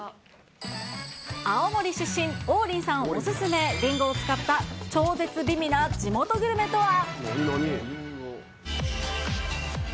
青森出身、王林さんお勧め、りんごを使った超絶美味な地元グルメとは？